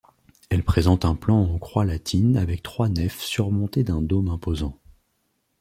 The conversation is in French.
Elle présente un plan en croix latine avec trois nefs surmontées d'un dôme imposant.